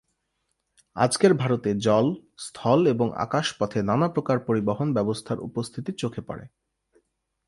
আজকের ভারতে জল, স্থল এবং আকাশপথে নানা প্রকার পরিবহন ব্যবস্থার উপস্থিতি চোখে পড়ে।